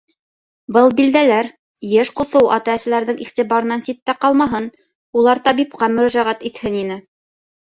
Был билдәләр, йыш ҡоҫоу ата-әсәләрҙең иғтибарынан ситтә ҡалмаһын, улар табипҡа мөрәжәғәт итһен ине.